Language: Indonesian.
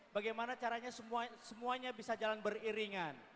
bagaimana caranya semuanya bisa jalan beriringan